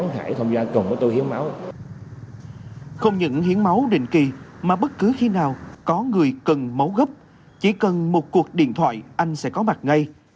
không những hiến máu định kỳ mà bất cứ khi nào có người cần máu gấp chỉ cần một cuộc điện thoại anh sẽ có mặt ngay